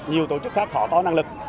nhiều tổ chức khác họ có năng lực